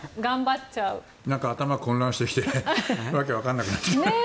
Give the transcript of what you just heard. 何か頭が混乱してきてわけ分からなくなっちゃう。